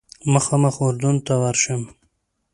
مخامخ اردن ته ورشم.